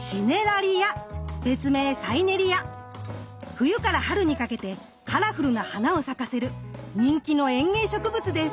冬から春にかけてカラフルな花を咲かせる人気の園芸植物です。